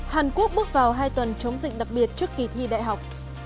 hàn quốc bước vào hai tuần chống dịch đặc biệt trước kỳ thi đại học